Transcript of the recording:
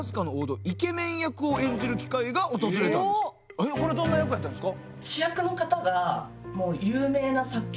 えっこれどんな役やったんですか？